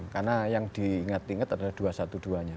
karena yang diingat ingat adalah dua ratus dua belas nya